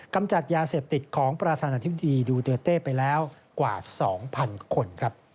กำจัดยาเสพติดของประธานาธิบดีดูเตอร์เต้ไปแล้วกว่า๒๐๐๐คน